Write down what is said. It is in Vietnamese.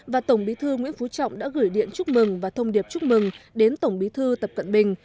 và tổng bí thư nguyễn phú trọng đã gửi điện chúc mừng và thông điệp chúc mừng đến tổng bí thư tập cận bình